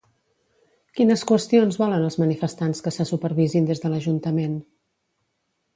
Quines qüestions volen els manifestants que se supervisin des de l'ajuntament?